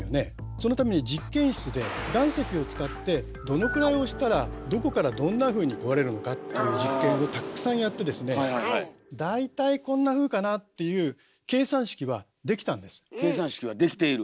そのために実験室で岩石を使ってどのくらい押したらどこからどんなふうに壊れるのかっていう実験をたくさんやってですね大体こんなふうかなっていう計算式はできている。